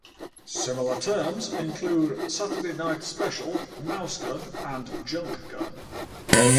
Similar terms include Saturday night special, mousegun, and junk gun.